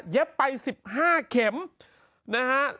เย็บไป๑๕เขมนะฮะ